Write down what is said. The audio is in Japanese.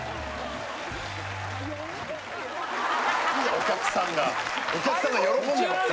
お客さんがお客さんが喜んでますよ。